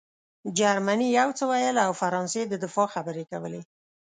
جرمني یو څه ویل او فرانسې د دفاع خبرې کولې